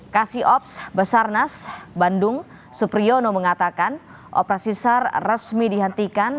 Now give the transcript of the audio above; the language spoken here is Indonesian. kasiops besarnas bandung supriyono mengatakan operasi sar resmi dihentikan